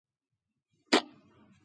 معمار